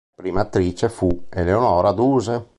Prima attrice fu Eleonora Duse.